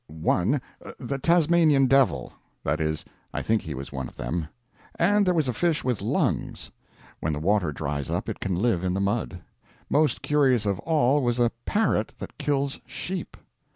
] one, the "Tasmanian devil;" that is, I think he was one of them. And there was a fish with lungs. When the water dries up it can live in the mud. Most curious of all was a parrot that kills sheep.